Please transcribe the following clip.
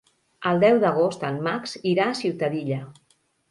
El deu d'agost en Max irà a Ciutadilla.